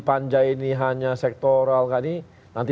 panjai ini hanya sektoral kali nanti